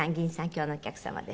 今日のお客様です。